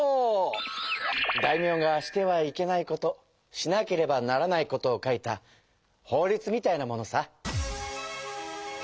大名がしてはいけないことしなければならないことを書いた法りつみたいなものさ。